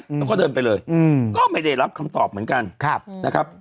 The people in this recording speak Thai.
แล้วก็เดินไปเลยก็ไม่ได้รับคำตอบเหมือนกันนะครับ